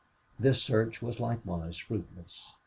This search was likewise fruitless.